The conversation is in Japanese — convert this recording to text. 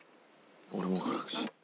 俺は辛口。